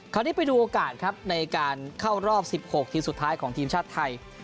ไปดูโอกาสครับในการเข้ารอบ๑๖ทีมสุดท้ายของทีมชาติไทย